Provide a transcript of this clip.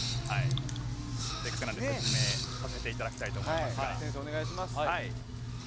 せっかくなので説明させていただきたいと思います。